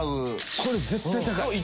これ絶対高い。